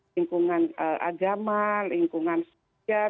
lingkungan agama lingkungan sekian